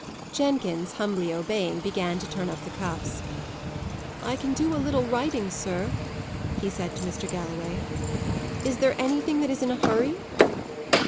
Jenkins, humbly obeying, began to turn up the cuffs. "I can do a little writing, sir," he said to Mr. Galloway, "Is there anything that is in a hurry?"